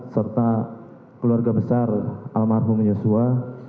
serta keluarga besar almarhum yosua